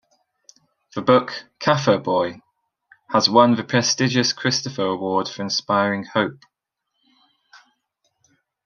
The book "Kaffir Boy" has won the prestigious Christopher Award for inspiring hope.